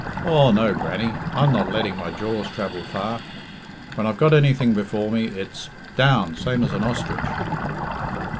Aw, no, Grannie, I'm not letting my jaws travel far. When I've got anything before me it's down same as an ostrich."